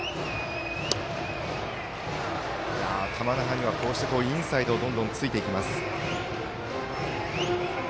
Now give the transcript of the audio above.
玉那覇にはインサイドをどんどんついていきます。